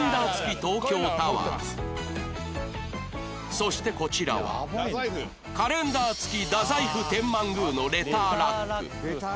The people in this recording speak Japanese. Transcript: そしてこちらはカレンダー付き太宰府天満宮のレターラック